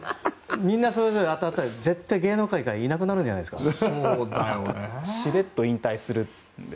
みんなそれぞれ当たったら芸能界からいなくなるんじゃないですか。